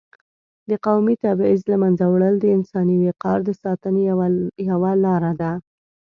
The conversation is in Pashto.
د قومي تبعیض له منځه وړل د انساني وقار د ساتنې یوه لار ده.